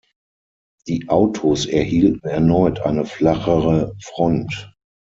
Die Autos erhielten erneut eine flachere Front.